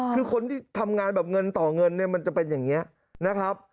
คือคนที่ทำงานแบบเงินต่อเงินเนี่ยมันจะเป็นอย่างนี้นะครับ